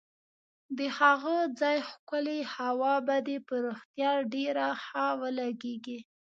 د هغه ځای ښکلې هوا به دې پر روغتیا ډېره ښه ولګېږي.